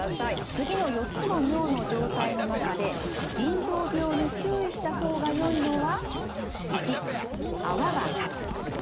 次の４つの尿の状態の中で腎臓病に注意した方がよいのは？